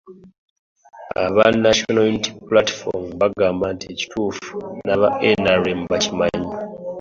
Aba National Unity Platform bagamba nti ekituufu n'aba NRM bakimanyi